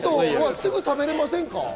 すぐ食べられませんか？